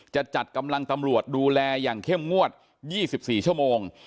จะจัดกำลังตำรวจดูแลอย่างเข้มงวด๒๔ชั่วโมง